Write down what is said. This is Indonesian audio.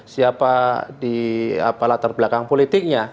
siapa di latar belakang politiknya